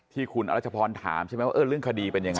ที่คุณอรัชพรถามใช่ไหมว่าเรื่องคดีเป็นยังไง